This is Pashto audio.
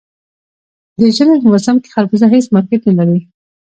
د ژمي په موسم کې خربوزه هېڅ مارکېټ نه لري.